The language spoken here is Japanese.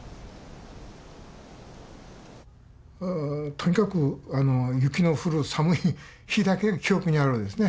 とにかく雪の降る寒い日だけが記憶にあるんですね。